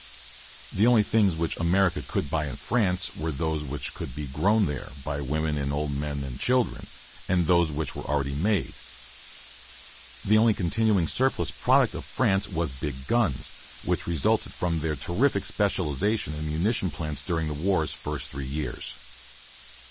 The only things which America could buy in France were those which could be grown there, by women and old men and children, and those which were already made. The only continuing surplus product of France was big guns, which resulted from their terrific specialization in munition plants during the war's first three years.